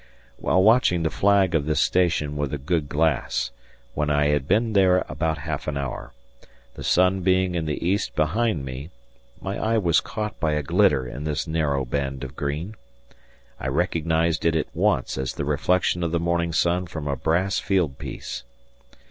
While watching the flag of this station with a good glass, when I had been there about half an hour, the sun being in the east behind me, my eye was caught by a glitter in this narrow band of green. I recognized it at once as the reflection of the morning sun from a brass field piece.